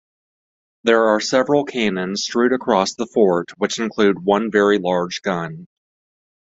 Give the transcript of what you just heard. There are several cannons strewed across the fort which includes one very large gun.